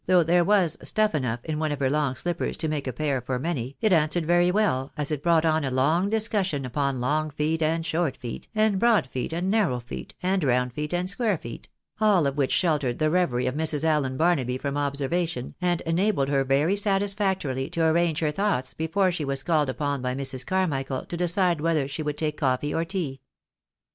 though there was "stuff enough" in one of her long slippers to make a pair for many, it answered very well, as it brought on a long discussion upon long feet and short feet, and broad feet and narrow feet, and round feet and square feet — all of which sheltered the revery of Mrs. Allen Barnaby from observation, and enabled her very satisfactorily to arrange her thoughts before she was called upon by Mrs. Carmichael to decide whether she would take coffee or tea.